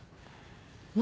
何？